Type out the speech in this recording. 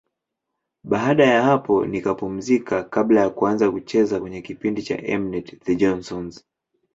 Baada ya hapo nikapumzika kabla ya kuanza kucheza kwenye kipindi cha M-net, The Johnsons.